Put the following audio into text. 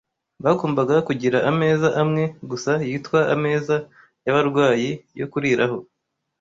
Bagombaga kugira ameza amwe gusa yitwa ameza y’abarwayi yo kuriraho